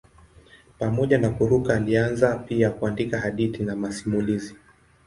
Pamoja na kuruka alianza pia kuandika hadithi na masimulizi.